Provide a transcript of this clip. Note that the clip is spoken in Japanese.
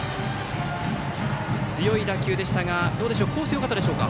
強い打球でしたがコースはよかったでしょうか。